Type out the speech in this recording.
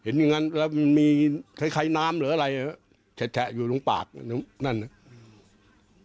เห็นจริงงั้นแล้วมีไข่ในน้ำหรืออะไรอะแชะอยู่ลงปากนั่นน่ะ